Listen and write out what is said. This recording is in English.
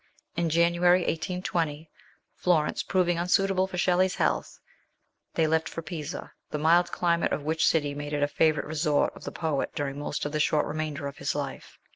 In January, 1820, Florence proving unsuitable for Shelley's health, they left for Pisa, the mild climate of which city made it a favourite resort of the poet during most of the short remainder of his life.